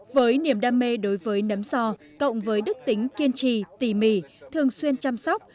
với niềm đam mê đối với nấm sò cộng với đức tính kiên trì tỉ mỉ thường xuyên chăm sóc